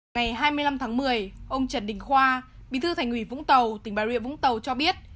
ngày hai mươi năm tháng một mươi ông trần đình khoa bí thư thành ủy vũng tàu tỉnh bà rịa vũng tàu cho biết